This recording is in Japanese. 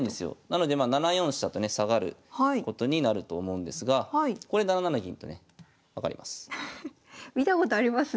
なので７四飛車とね下がることになると思うんですがこれ７七銀とね上がります。